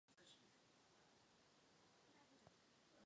Nohy jsou hnědé nebo černé.